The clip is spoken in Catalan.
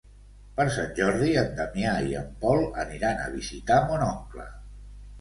Per Sant Jordi en Damià i en Pol aniran a visitar mon oncle.